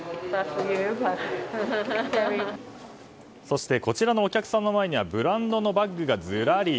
そしてこちらのお客さんの前にはブランドのバッグがずらり。